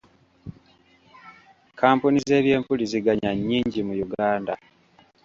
Kampuni z'ebyempuliziganya nnyingi mu Uganda.